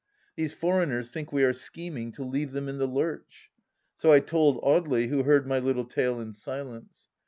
These foreigners think we are scheming to leave them in the lurch ! So I told Audely, who heard my little tale in silence.